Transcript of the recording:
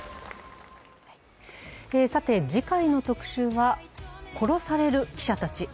さて、次回の特集は殺される記者たち。